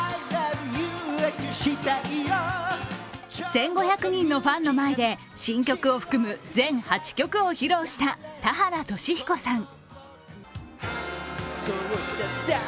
１５００人のファンの前で新曲を含む全８曲を披露した田原俊彦さん。